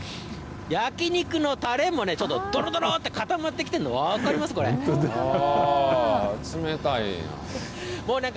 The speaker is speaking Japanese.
焼き肉のたれもね、ちょっと、どろどろって固まってきてるの分本当だ。